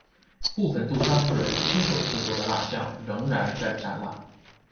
部分杜莎夫人亲手制作的蜡象仍然在展览。